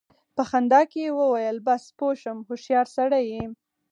په خندا کې يې وويل: بس! پوه شوم، هوښيار سړی يې!